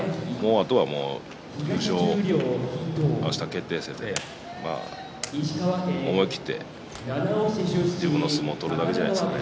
あとはもうあした決定戦で思い切って自分の相撲を取るだけじゃないですかね。